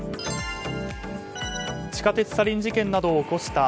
地下鉄サリン事件などを起こした